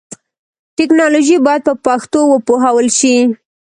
ټکنالوژي باید په پښتو وپوهول شي.